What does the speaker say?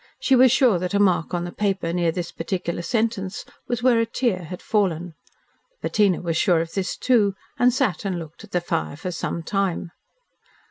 She was sure that a mark on the paper near this particular sentence was where a tear had fallen. Bettina was sure of this, too, and sat and looked at the fire for some time.